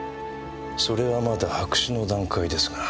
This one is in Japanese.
それはまだ白紙の段階ですが。